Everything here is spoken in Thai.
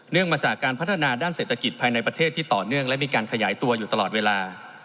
มาจากการพัฒนาด้านเศรษฐกิจภายในประเทศที่ต่อเนื่องและมีการขยายตัวอยู่ตลอดเวลา